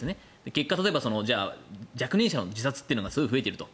結果、例えば若年者の自殺というのがすごい増えていると。